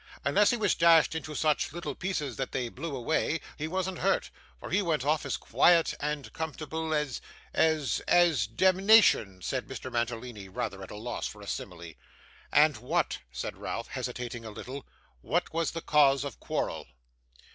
'Unless he was dashed into such little pieces that they blew away, he wasn't hurt, for he went off as quiet and comfortable as as as demnition,' said Mr. Mantalini, rather at a loss for a simile. 'And what,' said Ralph, hesitating a little, 'what was the cause of quarrel?